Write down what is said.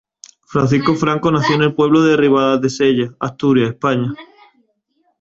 Francisco Franco nació en el pueblo de Ribadesella, Asturias, España.